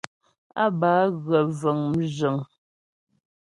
Á bə á gə vəŋ mzhəŋ (wagons).